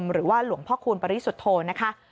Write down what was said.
หรือว่าหลวงพ่อคูณปริสุทธโธนะคะ